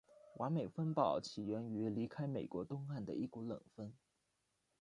完美风暴起源于离开美国东岸的一股冷锋。